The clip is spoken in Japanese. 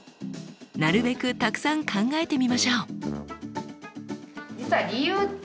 なるべくたくさん考えてみましょう。